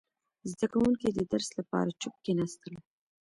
• زده کوونکي د درس لپاره چوپ کښېناستل.